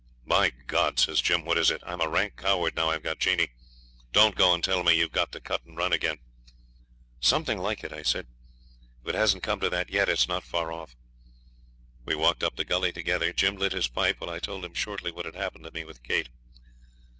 'My God!' says Jim, 'what is it? I'm a rank coward now I've got Jeanie. Don't go and tell me we've got to cut and run again.' 'Something like it,' I said. 'If it hasn't come to that yet, it's not far off.' We walked up the gully together. Jim lit his pipe while I told him shortly what had happened to me with Kate.